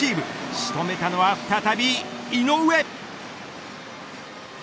仕留めたのは再び、井上。